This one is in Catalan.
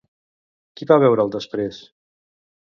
Qui va veure'l després?